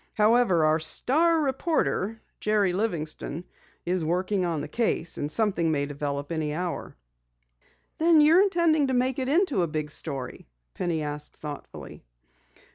However, our star reporter, Jerry Livingston, is working on the case, and something may develop any hour." "Then you're intending to make it into a big story?" Penny asked thoughtfully.